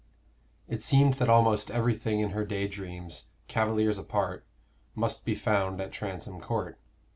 It seemed that almost everything in her day dreams cavaliers apart must be found at Transome Court.